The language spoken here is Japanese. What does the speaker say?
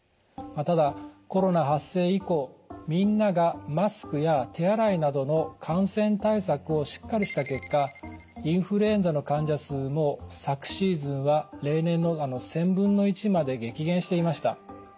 ただコロナ発生以降みんながマスクや手洗いなどの感染対策をしっかりした結果インフルエンザの患者数も昨シーズンは例年の１０００分の１まで激減していました。